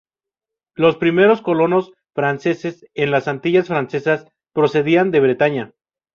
Los primeros colonos franceses en las Antillas francesas procedían de Bretaña.